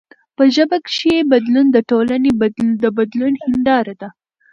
په ژبه کښي بدلون د ټولني د بدلون هنداره ده.